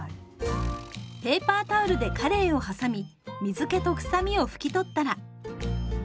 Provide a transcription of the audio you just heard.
ペーパータオルでかれいをはさみ水けと臭みを拭き取ったら。